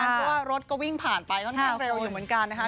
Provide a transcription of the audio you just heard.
เพราะว่ารถก็วิ่งผ่านไปค่อนข้างเร็วอยู่เหมือนกันนะคะ